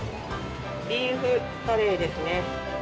ビーフカレーですね。